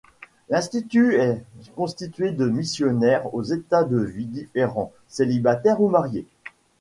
L’Institut est constitué de missionnaires aux états de vie différents, célibataires ou mariés.